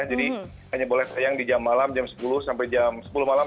jadi hanya boleh sayang di jam malam jam sepuluh sampai jam sepuluh malam